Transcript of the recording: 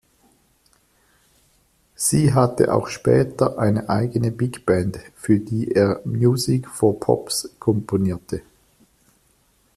Sie hatte auch später eine eigene Bigband, für die er "Music for Pops" komponierte.